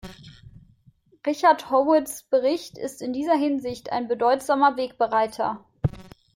Richard Howitts Bericht ist in dieser Hinsicht ein bedeutsamer Wegbereiter.